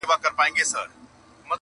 په سلگونو یې کورونه وه لوټلي!.